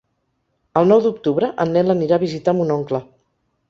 El nou d'octubre en Nel anirà a visitar mon oncle.